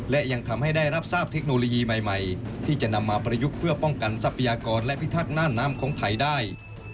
และยังทำให้ได้รับทราบเทคโนโลยีใหม่ที่จะนำมาประยุกต์เพื่อป้องกันทรัพยากรและพิทักษ์น่านน้ำของไทยได้